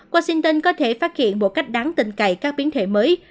washington có thể phát hiện một cách đáng tình cậy các biến thể mới